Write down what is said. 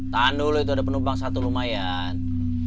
tahan dulu itu ada penumpang satu lumayan